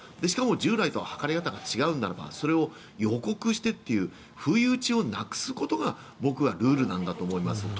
しかも従来と測り方が違うのであればそれを予告してっていう不意打ちをなくすことが僕はルールなんだと思います。